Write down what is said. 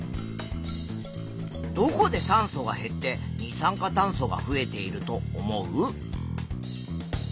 どこで酸素は減って二酸化炭素が増えていると思う？